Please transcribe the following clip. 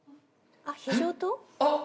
あっ。